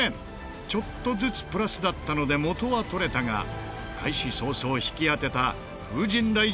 ちょっとずつプラスだったので元は取れたが開始早々引き当てた風神雷神